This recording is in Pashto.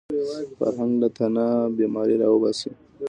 فرهنګ له تنه بیماري راوباسي